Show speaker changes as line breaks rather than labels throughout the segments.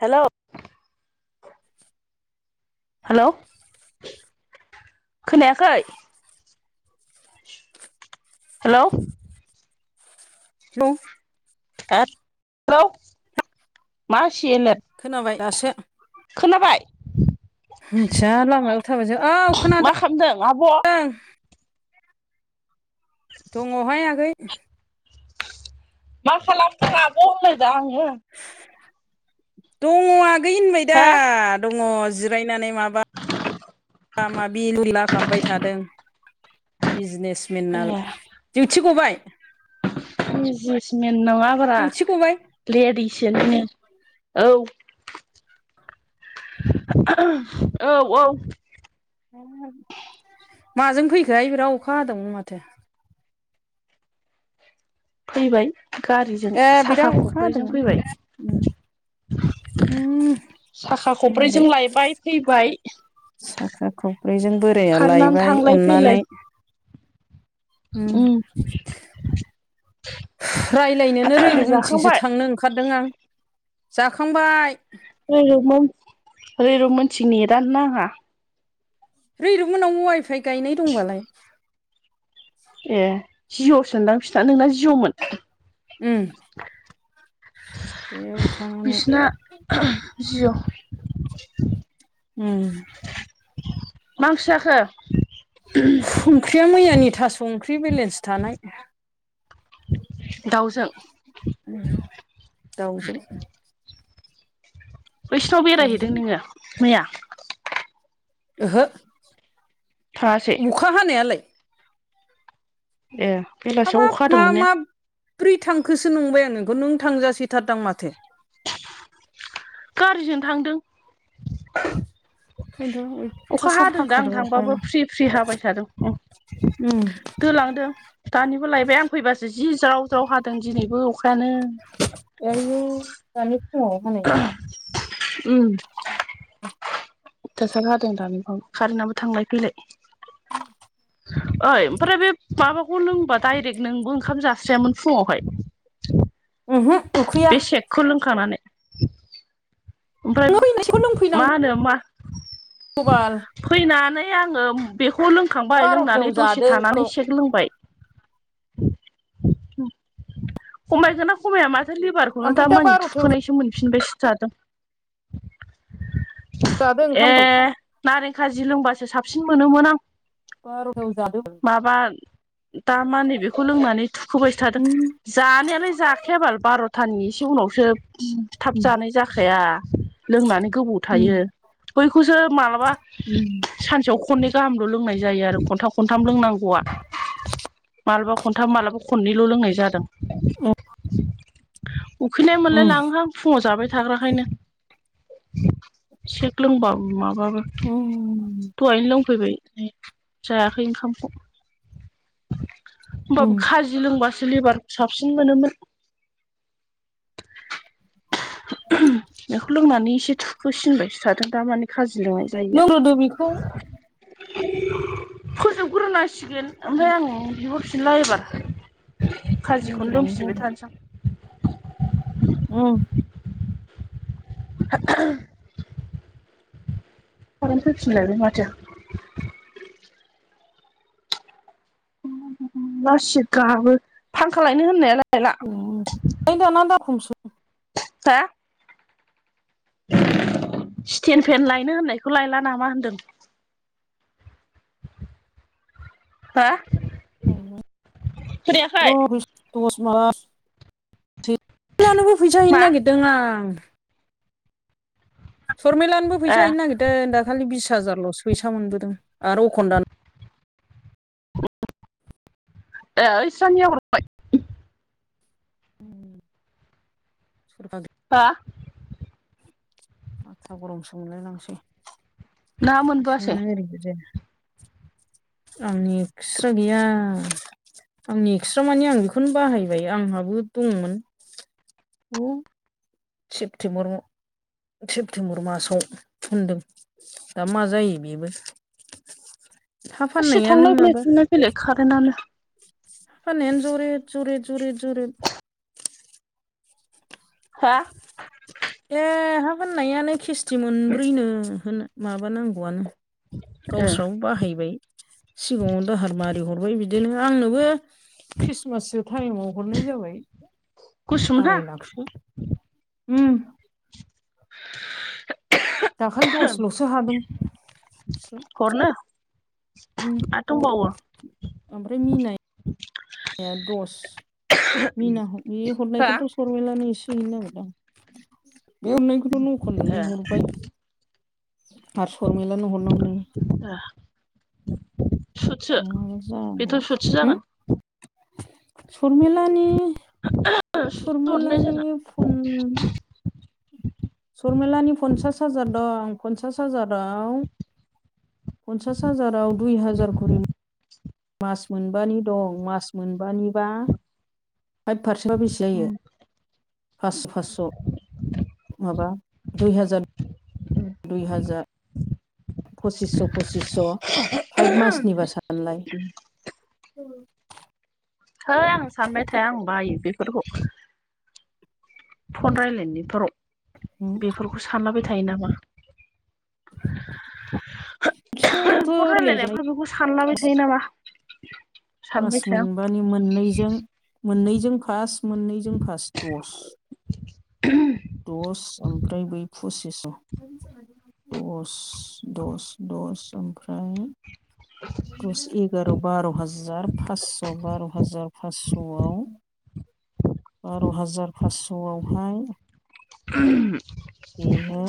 हेल'। Hello खोनायाखै। Hello.
Hello.
थात hello मासि लेत।
खोनाबाय दासो।
खोनाबाय।
मिथिया लामायाव थाबायजो औ
मा खालामदों आब'
खोनादों। दंङहाय आगै।
मा खालामदों आब' होनलायदों आंङो।
दङ आगै होनबाय दा
हा
दङ जिरायनानै। माबा माबि लुला खालामबाय थादों बिजिनेस।
ए
मेननाल दिउथि गबाय?
बिजिनेसमेन नंङा ब्रा
दिउथि गबाय
लेडिसो नोंङो औ। ओहोहो औ औ।
माजों फैखोहाय बिराद अखा हादोंमोन माथो।
फैबाय गारिजों
ए
साखा
बिराद अखा
खब्रैजों
हादोंमोन
फैबाय। साखा
मालाय
खबब्रैजों लायबाय फैबाय।
साखा खख्रिजोंबो बोराया
खारनानै
लायबाय
थांलाय फैलाय
अननानै। [inaudible]
उम
रायज्लायनोनो रैरुबमोनथिंसो
जाखांबाय
थांनो ओंखारदों आं। जाखांबाय।
रैरुबमोन रैरुमोननिथिं नेटआनो नांङा।
रैरुब मोननाव वाइफाइ गायनाय दंबालाय?
ए जिय' सोनदां बिसिना नोंना जिय'मोन?
उम। एवथानानै
बिसिना [unintelligible] जिअ'।
उम
मा ओंख्रि जाखो? [unintelligible]
ओंख्रिया मैयानि थास' ओंख्रि बेलेन्स थानाय।
दाउजों?
दाउजों
बैसिनाव
दाउजों
बेरायहैदों नोङो मैया?
ओहो।
थाङासै?
अखा हानायालाय?
ए। बेलासियाव
हाबाब
अखा
मा
हादोंमोन ने
माब्रै थांखोसो नंबाय आं नोंखौ नों थांजासिथार दां माथो।
गारिजों थांदों।
ओंखायनोथ'
[inaudible] अखा
अयथासार
हादों दा आं
हाखादों
थांबाबो
अखाया
फ्रि फ्रि हाबाय थादों उम।
[inaudible]
दोनलांदों दानिबो लायबाय आं फैबासो जि ज्राव जाव हादों दिनैबो अखायानो।
आयु दानि फुङाव हानाय दा।
उम। अयथासार हादों दानिबाव कारेन्टाबो थांलाय फैलाय। ओइ ओमफ्राय बे माबाखौ लोंबा डायरेक्ट नोंबो ओंखाम जास्रियामोन फुङावहाय?
ओहो उखैया
बे सेकखौ लोंखानानै। ओमफ्राय
नों फैनायखौ
मा होनो मा
खबाल?
फैनानै आङो बेखौ
दा
लोंखांबाय
बार'थायाव
लोंनानै
जादो
दसे
ओंखामखौ
थानानै सेक लोंबाय। खमायगोना खमाया माथो लिभार खौनो
ओमफ्राय
दा मानि
बार'थायाव
थुखोनायसो मोनफिनबायसो थादों।
जादो
ए
ओंखामखौ
नारें खाजि लोंबासो साबसिन मोनोमोन आं।
बार'थायाव जादो
माबा दा मानि बेखौ लोंनानै थुखोबायसो थादों।
उम
जानायालाय जाखायाबाल बार'थानि एसे उनावसो थाब
उम
जानाय जाखाया। लोंनानै गोबाव थायो। बैखौसो मालाबा
उम
सानसेयाव खननै गाहामल' लोंनाय जायो आरो खनथाम खनथाम लोंनांगौआ। मालाबा खनथाम मालाबा खनैल' लोंनाय जादों।
उह।
उखैनाय मोनलाय लाङोहां फुङाव जाबाय थाग्राखायनो। सेक लोंबाबो माबाबो
उम।
दहायनो लोंफैबाय जायाखै ओंखामखौ। होमबाबो खाजि जि लोंबासो लिबारखौ साबसिन मोनोमोन। ओहोहोम बेखौ लोंनानै एसे थुखोसिनबायसो थादों दामानि। खाजि लोंनाय
लोंग्रोदो बेखौ
जायगाया फोजोबग्रोनांसिगोन ओमफाय आं बिहरफिनला एबार खाजिखौनो
लोंग्रोनानै
लोंफिनबाय
जाबाय
थानोसै आं।
उम
[unintelligible] खारेन फैफिनलायबाय माथो। लासित गाबो फांखा लायनो होननायालाय लायला। हो
उम ओइ दाना दाम खुमसो।
हा? सिटेन फेन लायनो होननायखौ लायला नामा होनदों? [inaudible] हो?
[inaudible]
खोनायाखै
र' दस मार्स थेफ्लानोबो फैसा हैनो
मा
नागिरदों आं। सरमेलानोबो
ए
फैसा हैनो नागिरदों दाखालि बिस हाजारल'सो फैसा मोनबोदों आरो अखन दानो
ए ओइसानिया हरबाय?
[unintelligible]
हो
माथा गरमसो मोनलाय लांसै।
ना मोनबोआसै
फैसायानो ओरैबो जाया। आंनि एक्स्रा गैया। आंनि एक्स्रा माने आं बिखौनो बाहायबाय आंहाबो दंमोन अ' सेप्तेम्बराव सेप्तेम्बर मासाव होन्दों। दा मा जायो बेबो हा फानायानो माबा
बेलेग खारेनानो
फान्नायानो ज'रेद ज'रेद ज'रेद ज'रेद।
हो
ए हा फान्नायानो खिस्थि मोनब्रैनो होनो माबानांगौआनो।
ए
गावस्राबो बाहायबाय सिगाङाव दाहार मारि हरबाय बिदिनो आंनोबो ख्रिस्टमाससो टाइमाव हरनाय जाबाय।
गुसुमोनहा
आराय लाखसो उम।
[inaudible]
दाखालि दसे ल'सो हादों।
हरनो
उम
आरो दंबावो।
ओमफ्राय मिनाय नाया दस मिना ह
हा
हरनायखौथ' सरमिलानो एसे हैनो नागिरदो आं। बे हरनायखौथ' नंखननो नो
ए
हरबाय। आरो सरमेलानो हरनांगौ।
ओ सुथसो
नङाबा
बेथ' सुथसो जागोन।
सरमिलानि
हरनाय
सरमिलानि
जागोन
फुन सरमिलानि पन्सास हाजार दं पन्सास हाजाराव पन्सास हाजाराव दुइ हाजार खरे मो मास मोनबानि दं मास मोनबानिबा फाइब फारसेनबा बेसे जायो?
उम
फास' फास' माबा दुइ हाजार दुइ हाजार पसिस' पसिस' फाइब मासनिबा सानलाय। औ।
है आं सानबाय थाया आं बायो बेफोरखौ। फन रायलायनायफोराव बेफोरखौ सानलाबाय थायो नामा।
सोरबो
फन
रायलायजानाय
रायलायनायफोराव बेखौ सानलाबाय थायो नामा? [inaudible]
मास
थाया आं
मोनबानि मोननैजों मोननैजों फास मोननैजों फास्ट दस।
[unintelligible]
दस ओमफ्राय बै फसिस' दस दस दस ओमफ्राय दस एक एगार' बार' हाजार फास्स' बार' हाजार फासस'आव बार' हाजार फासस'आवहाय
[unintelligible]
बेनो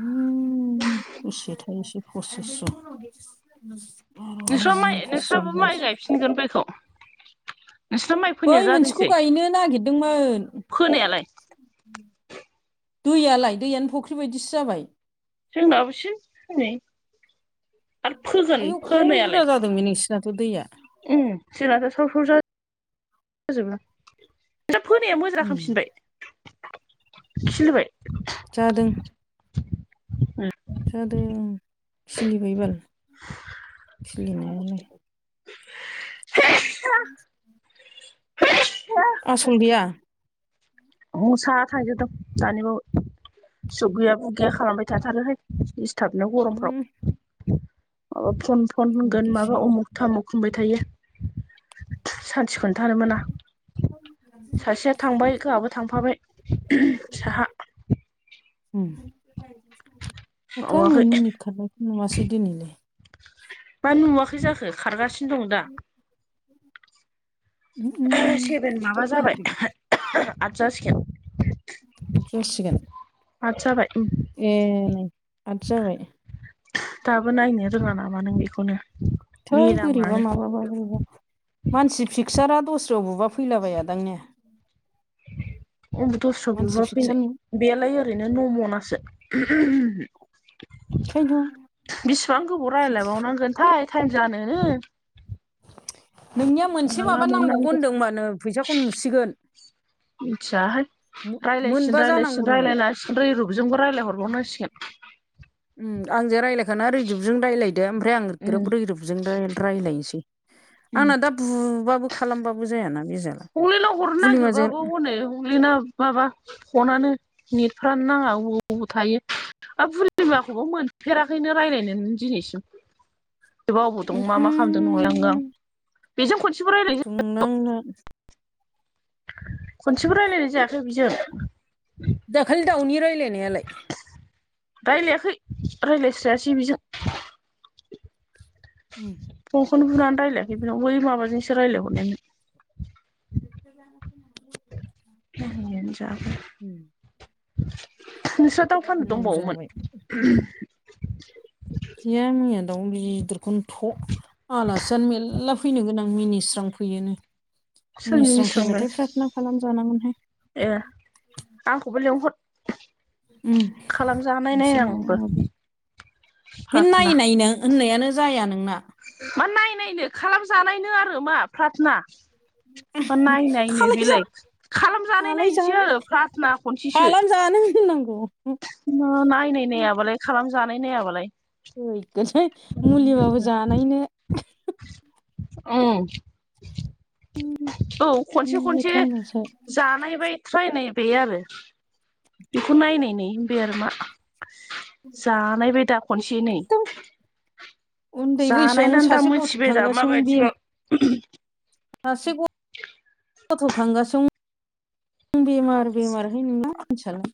उम बेसे थायोसेै फसिसस'।
नोंस्रा माइ नोंस्राबो माइ गायफिनगोन बैखौ नोंस्रा माइ
बै
फोनाया
मोनसेखौ
जादोंसै
गायनो नागिददोंमोन।
फोनायालाय
दैयालाय दैयानो फख्रि बायदिसो जाबाय।
जोंनाबसो हनै आरो फोगोन फोनायालाय।
दाथ' दैया।
उम जोनाथ' साव [inaudible] जाजोबो। नोंसा फोनाया मोजां जाखांफिनबाय खिलिबाय?
जादों। जादों खिलिबाय बाल खिलिनायालाय। [unintelligible] आसल गैया?
ह साहा थांजोबदों दानिबाव सुग गैया बुग गैया खालामबाय थाथारोहाय। दिस्थाबनो गरमफ्राव माबा फन फन होनगोन
बिदिसो
माबा उमुख थामुख होनबाय थायो सान्थिखौनो थानो मोना।
[inaudible]
सासेया थांबाय गाहाबो थांफाबाय [unintelligible] साहा
उम माथो आंलाय
मावाखै
मिनिट खारनायखौ नुमासै दिनैलाय।
मा नुवाखै जाखो खारगासिनो दं दा।
उम उम
सेभेन माबा जाबाय आद जासिगोन।
जासिगोन।
आत जाबाय।
ए नै आद जाबाय
दाबो नायनो रोङा नामा नों बेखौनो।
थै बोरैबा
मेरामानो
माबाबा बोरैबा मानसि फिक्सारा दस्रायाव बुबा फैलाबाया दां ना?
अबो
मानसि
दस्रायाव
फिक्सार
बेलाय ओरैनो न'मनासो [unintelligible]
ओंखायनोथ'
बिसिबां गोबाव
फिक्स
रायलायबावनां गोनथाय टाइम जानोनो
नोंनिया मोनसे
माला
माबा नांगौग
मोननांगौ
होनदों होनबानो फैसाखौ नुसिगोन।
मिथियाहाय रायलायसिन
मोनबा
रायलायसिन
जानांगौनो
रायलायना रैरुपजोंबो रायलायहरबावनांसिगोन।
उम आंजों रायजलायखाना रैदुबजों राय्लायदो ओमफ्राय आं ग्रोब
उम
रैरुबजों रायलायनोसै
उम
आंना दा बुबाबो खालामबाबो जायाना। बे जाला
हंलिनाव हरनो
बुलिमाजों
नागिरबाबो हनै हंलिना माबा फनानो नेटफ्रानो नाङा अबाव अबाव थायो। ओ बुरनिमाखौबो मोनफेराखैनो रायलायनोनो दिनैसिम बेबा अबाव दं मा
ओहो
मा खालामदों नंलाय आङो आं बेजों खनसेबो रायलाय [unintelligible]
नों नो
खनसेबो रायलायनाय जायाखै बिजों
दाखालि दाउनि रायजलायनायालाय।
राय्लायाखै रायज्लायस्रायासै बिजों।
उम
फंखौनो बुनानै रायलायाखै बेनाव बै माबाजोंसो रायज्लायहरनायमोन।
[inaudible]
जाबो
उम
नोंस दाउ फाननो
नांगौ
दंबावोमोन।
जाबाय गैया मैया दाउ गिदिरखौनो थ' आलासियानो मेर्ला फैनो गोनां मिनिस्रां फैयोनो।
सोरनि
मिनिस्रां
सोंदों
फैबाथाय पार्थना खालामजानांगोनहाय
ए आंखौबो लेंहर खालामजानायनाय
उमएसे माबा
आंबो
माबि बिनो
प्रार्थना
नायै नायनों होननायानो जाया नोंना।
मा नायनायनो खालामजानायनो आरो मा प्रार्थना मा नायनायनो
खालाय जा
बेलाय खालामजानाय नायनोसै आरो प्रार्थना। खनसेसो
खालाम जानो दोननांगौ।
नायनाय नायाबालाय खालामजानाय नायाबालाय।
हैैगोनसै मुलिबाबो जानायनो
ओं औ खनसे खनसे
गिथावनासो
जानायबायाय थ्रायनाय बे आरो बेखौ नायनाय होनबाय आरो मा जानायबाय दा खनसे नै।
उन्दै बैसोआवनो
जानायनानै दा
सासे गथ'
मिथिबाय दा
खांगासिनो
माबायदिबा
बेम ससे गथ'खांगासिनो बेमार बेमारहाय नोंना मानसिआलाय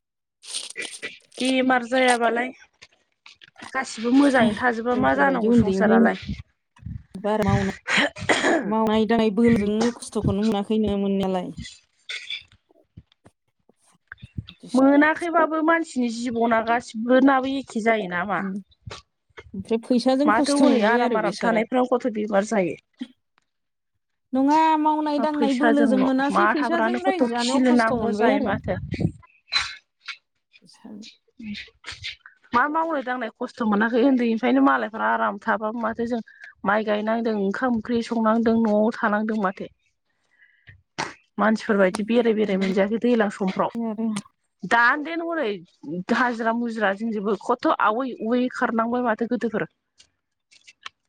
बेमार जायाबालाय। गासिबो मोजाङै थाजोबा मा जानांगौ संसारालाय।
बाया मावनाय मावनाय दांनाय बोलोजोंनो खस्थ'खौनो मोनाखैनो मोननायालाय। बिदिसो
मोनाखैबाबो मानसिनि जिबना गासिबो नाबो एखे जायो नामा।
ओमफ्राय फैसाजों
माथो
खस्थ'
हनै
मोनबाय आरो
आराम आराम
बेसारा
थानायफ्राव गथ' बिमार जायो।
नङा मावनाय दांनाय बोलोजों
फैसाजोंल' मा
मोनासै फैसाजों
थाग्रानो खथ'
रायजो जानायाव
खिनो
खस्थ'
नांगौ
मोनबाय
जायो
आरो
माथो
[inaudible]
[inaudible] मा मावनाय दांनाय खस्थ' मोनाखै उन्दैनिफ्रायनो मालायफ्रा आराम थाबाबो माथो जों माइ गायनांदों ओंखाम ओंख्रि संनांदों न'आव थानांदों माथो। मानसि फोरबायदि बेराय बेराय मोनजायाखै दैज्लां
आरो
समफ्राव दा देन हनै हाजिरा मुजिरा जोंजोेबो खथ' आवै आवै खारनांबाय माथो गोदोफोर।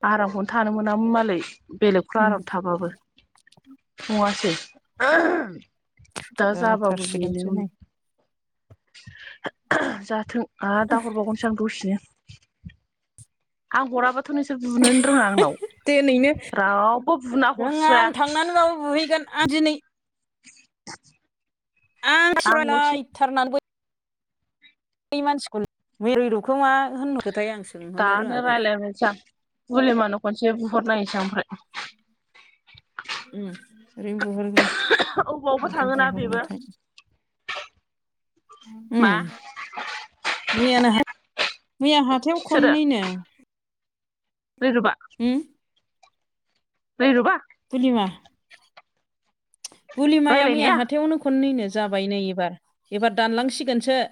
आरामखौनो थानो मोना मालाय बेलेग बाराव थाबाबो नङासै दा जाबाब बेनो
जाथारसिगोनसो नै
हनै जाथों आरो दााहरबावगोन। गासिनो आं गराबाथ' नोंसोर बुनोनो रोङा आंनाव।
दनैनो
रावबो बुना
रोङा
हरस्राया
आं थांनानैबाबो बुहैगोन आं दिनै आं
आंल'सो
सियथारनानैबो बे मानसिखौ मिरु रुखो मा होनहर खोथाय आं सोंहरनो
दानो
रोङाखै
रायजलायनोसै आं बुलिमानो खनसे बुहरनायनोसै ओमफ्राय।
उम रैनोबो हरगो।
बबेयावबो थाङोना बेबो मा
उम
[unintelligible]
मैयानो मैया हाथायाव
सोरो
खननैनो
रैरुबा
[inaudible] उम
नै रबा
कुलिवा बुलि माया मैया
रायलायनाया
हाथायावनो खननैनो जाबाय नै एबार एबार दानलांसिगोनसो